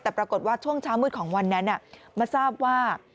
แต่ปรากฏว่าช่วงเช้ามืดของวันนั้นมาทราบว่า